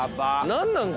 何なん？